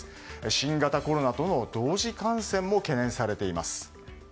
新型コロナとの同時感染も懸念されています。